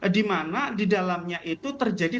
di mana di dalamnya itu terjadi